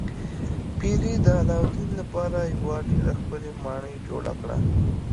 پیري د علاوالدین لپاره یوه ډیره ښکلې ماڼۍ جوړه کړه.